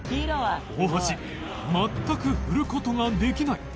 大橋全く振る事ができない